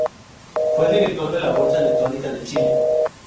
Fue Director de la Bolsa Electrónica de Chile.